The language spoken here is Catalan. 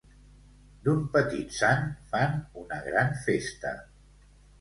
D'un petit sant fan una gran festa.